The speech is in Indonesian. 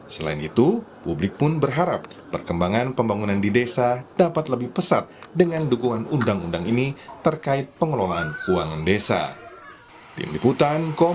selain itu publik pun berharap perkembangan pembangunan di desa dapat lebih pesat dengan dukungan undang undang ini terkait pengelolaan keuangan desa